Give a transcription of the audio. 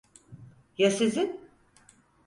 Ya sizin?